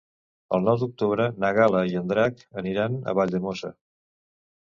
El nou d'octubre na Gal·la i en Drac aniran a Valldemossa.